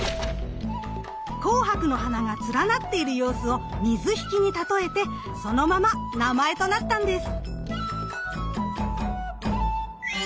紅白の花が連なっている様子を水引に例えてそのまま名前となったんです。